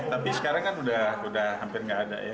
tapi sekarang kan sudah hampir nggak ada ya